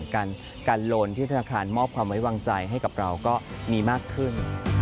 การโลนที่ธนาคารมอบความไว้วางใจให้กับเราก็มีมากขึ้น